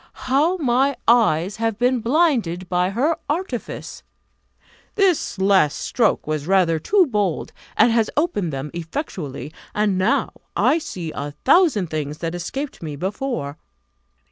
How my eyes have been blinded by her artifice! This last stroke was rather too bold, and has opened them effectually, and now I see a thousand things that escaped me before.